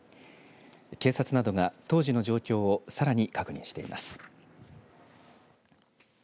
警察などが当時の状況をさらに確認しています。